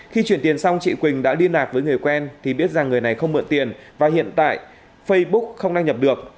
khi chuyển tiền xong chị quỳnh đã liên lạc với người quen thì biết rằng người này không mượn tiền và hiện tại facebook không đăng nhập được